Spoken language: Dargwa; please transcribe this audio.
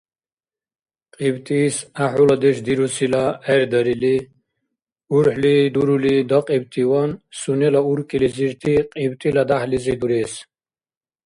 КьибтӀис гӀяхӀуладеш дирусила гӀердарили, урхӀли дурули дакьибтиван, сунела уркӀилизирти КьибтӀила дяхӀлизи дурес.